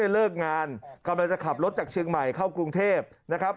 เลิกงานกำลังจะขับรถจากเชียงใหม่เข้ากรุงเทพนะครับ